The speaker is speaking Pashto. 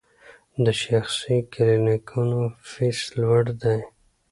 د شخصي کلینیکونو فیس لوړ دی؟